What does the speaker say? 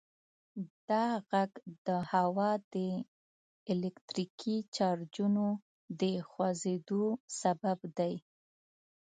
دا غږ د هوا د الکتریکي چارجونو د خوځیدو سبب دی.